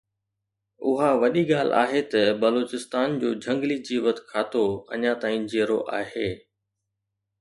اها وڏي ڳالهه آهي ته بلوچستان جو جهنگلي جيوت کاتو اڃا تائين جيئرو آهي